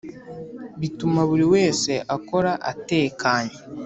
bituma buri wese akora atekanye